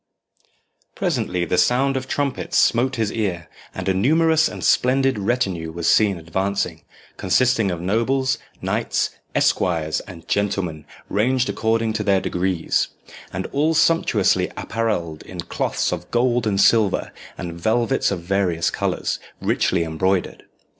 Presently the sound of trumpets smote his ear, and a numerous and splendid retinue was seen advancing, consisting of nobles, knights, esquires, and gentlemen, ranged according to their degrees, and all sumptuously apparelled in cloths of gold and silver, and velvets of various colours, richly embroidered.